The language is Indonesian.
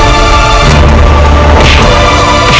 aku akan menang